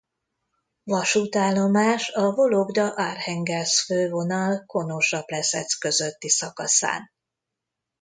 Vasútállomás a Vologda–Arhangelszk fővonal Konosa–Pleszeck közötti szakaszán.